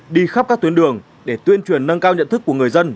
đi khắp các tuyến đường để tuyên truyền nâng cao nhận thức của người dân